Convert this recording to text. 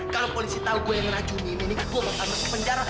kalau polisi tau gue yang racuni ini gue bakal masuk penjara